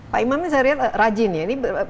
pak imam ini saya lihat rajin ya